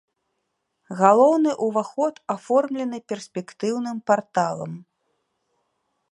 Галоўны ўваход аформлены перспектыўным парталам.